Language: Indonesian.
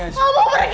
aku mau pergi